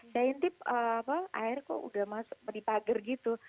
saya intip air kok udah masuk di pagar gitu